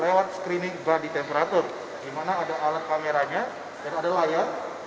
lewat screening body temperatur di mana ada alat kameranya dan ada layar